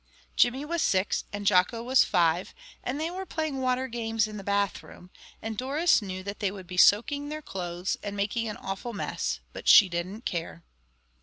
Jimmy was six and Jocko was five, and they were playing water games in the bathroom; and Doris knew that they would be soaking their clothes and making an awful mess, but she didn't care.